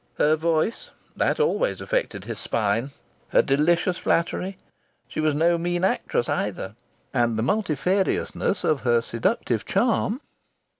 Her voice, that always affected his spine! Her delicious flattery!... She was no mean actress either! And the multifariousness of her seductive charm!